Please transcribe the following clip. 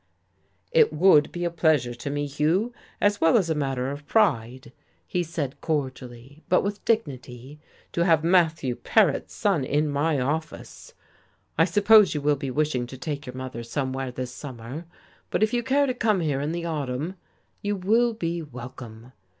"It would be a pleasure to me, Hugh, as well as a matter of pride," he said cordially, but with dignity, "to have Matthew Paret's son in my office. I suppose you will be wishing to take your mother somewhere this summer, but if you care to come here in the autumn, you will be welcome.